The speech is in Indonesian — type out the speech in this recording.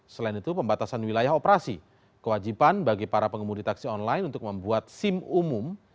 selain itu pembatasan wilayah operasi kewajiban bagi para pengemudi taksi online untuk membuat sim umum